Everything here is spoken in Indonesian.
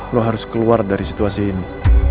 lo harus keluar dari situasi ini